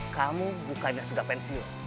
kamu bukannya sudah pensiun